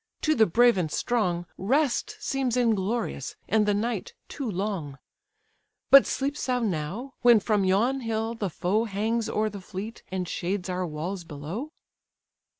to the brave and strong Rest seems inglorious, and the night too long. But sleep'st thou now, when from yon hill the foe Hangs o'er the fleet, and shades our walls below?"